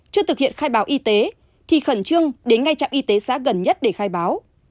chưa thực hiện khai báo y tế thì khẩn trương đến ngay trạm y tế xã gần nhất để khai báo